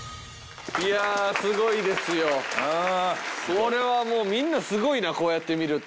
これはもうみんなすごいなこうやって見ると。